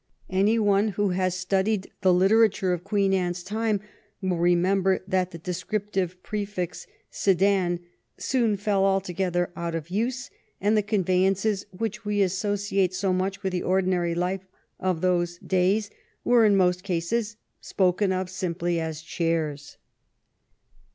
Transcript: Any one who has studied the literature of Queen Anne's time will remember that the descriptive prefix " sedan *' soon fell altogether out of use, and that the conveyances which we associate so much with the ordinary life of those days were in most cases spoken of simply as chairs.